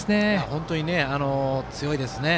本当に強いですね。